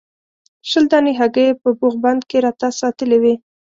شل دانې هګۍ یې په بوغ بند کې راته ساتلې وې.